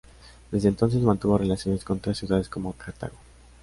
Desde entonces, mantuvo relaciones con otras ciudades como Cartago.